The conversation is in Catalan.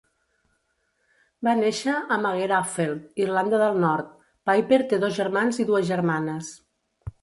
Va néixer a Magherafelt, Irlanda del Nord, Pyper té dos germans i dues germanes.